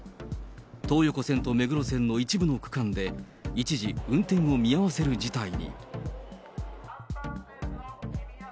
東横線と目黒線の一部の区間で、一時運転を見合わせる事態に。